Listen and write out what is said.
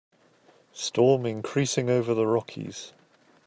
Storm increasing over the Rockies.